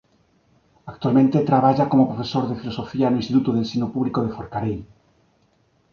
Actualmente traballa como profesor de filosofía no instituto de ensino público de Forcarei.